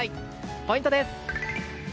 ポイントです。